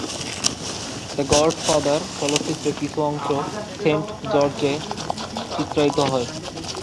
"The Godfather" চলচ্চিত্রের কিছু অংশ সেন্ট জর্জে চিত্রায়িত হয়।